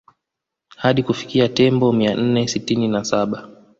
Hadi kufikia Tembo mia nne sitini na saba